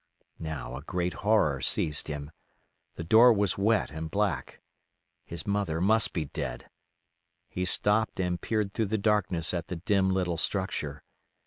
Now a great horror seized him. The door was wet and black. His mother must be dead. He stopped and peered through the darkness at the dim little structure.